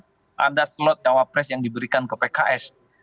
gerindra itu bisa memastikan ada slot cawapres yang diberikan ke pks